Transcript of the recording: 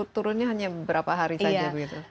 turunnya hanya berapa hari saja gitu